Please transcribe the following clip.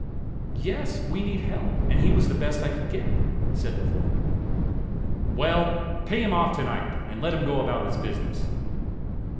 "Yes; we need help, and he was the best I could get," said the foreman. "Well, pay him off to night, and let him go about his business."